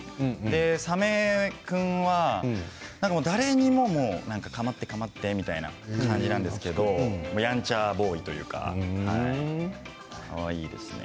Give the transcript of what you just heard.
サメ君は誰にでも構って構ってみたいな感じなんですけれどやんちゃボーイというかかわいいですね。